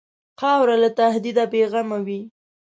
خاوره له تهدیده بېغمه وي.